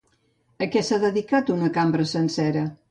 A què s'ha dedicat una cambra sencera?